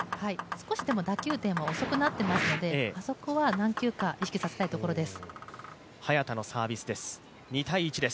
少し打球点は遅くなっていますので、あそこは何球か意識させたいところです。